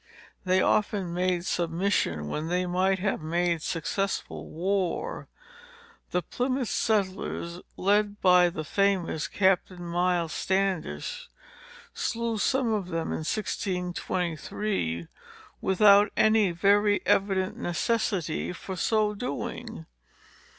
They often made submission, when they might have made successful war. The Plymouth settlers, led by the famous Captain Miles Standish, slew some of them in 1623, without any very evident necessity for so doing.